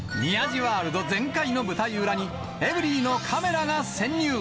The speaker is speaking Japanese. ワールド全開の舞台裏に、エブリィのカメラが潜入。